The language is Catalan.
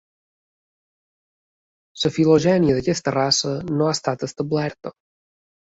La filogènia d'aquesta raça no ha estat establerta.